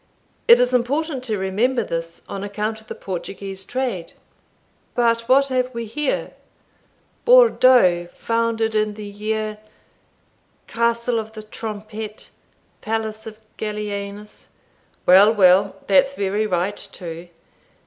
It is important to remember this, on account of the Portuguese trade But what have we here? Bourdeaux founded in the year Castle of the Trompette Palace of Gallienus Well, well, that's very right too.